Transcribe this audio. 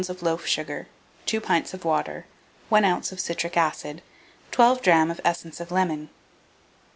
of loaf sugar, 2 pints of water, 1 oz. of citric acid, 12 drachm of essence of lemon.